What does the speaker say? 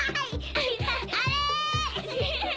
あれ？